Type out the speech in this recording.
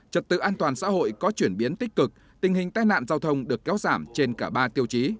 trật tự an toàn xã hội có chuyển biến tích cực tình hình tai nạn giao thông được kéo giảm trên cả ba tiêu chí